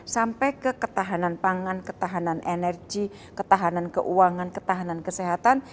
sampai ke ketahanan pangan ketahanan energi ketahanan keuangan ketahanan kesehatan